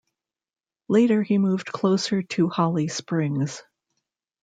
Later he moved closer to Holly Springs.